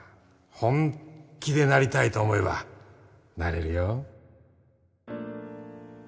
本気でなりたいと思えばなれるよ